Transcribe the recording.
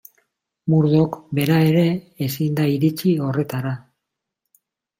Murdoch bera ere ezin da iritsi horretara.